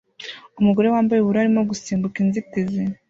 Umugore wambaye ubururu arimo gusimbuka inzitizi